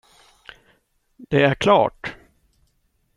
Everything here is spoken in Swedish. Det är klart.